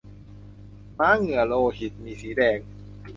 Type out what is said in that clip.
ม้าเหงื่อโลหิต มีสีแดง